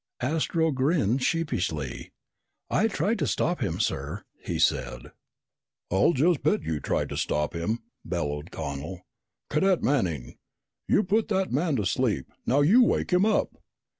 Astro grinned sheepishly. "I tried to stop him, sir!" he said. "I'll just bet you tried to stop him!" bellowed Connel. "Cadet Manning, you put that man to sleep, now you wake him up!"